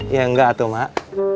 ya enggak tuh emak